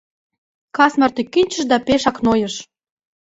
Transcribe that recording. Кас марте кӱнчыш да пешак нойыш.